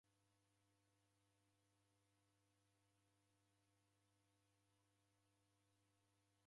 Mwangi wa isanga wadedanya na w'aisanga